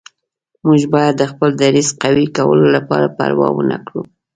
موږ باید د خپل دریځ قوي کولو لپاره پروا ونه کړو.